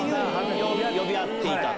呼び合っていた。